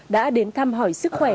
đã đến thăm hỏi sức khỏe